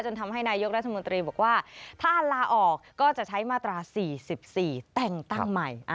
ทำให้นายกรัฐมนตรีบอกว่าถ้าลาออกก็จะใช้มาตรา๔๔แต่งตั้งใหม่